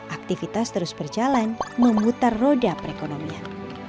aktivitas terus berjalan memutar roda perekonomian